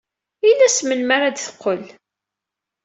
Ini-as melmi ara d-teqqel.